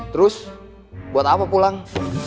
terus buat apa pulang